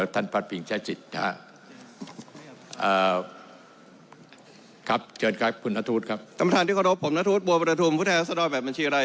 ท่านประธานที่ขอรับผมนทุศบัวประธุมพุทธแห่งสะดอยแบบบัญชีไร